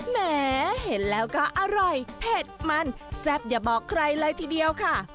แหมเห็นแล้วก็อร่อยเผ็ดมันแซ่บอย่าบอกใครเลยทีเดียวค่ะ